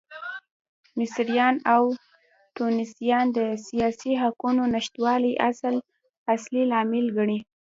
مصریان او ټونسیان د سیاسي حقونو نشتوالی اصلي لامل ګڼي.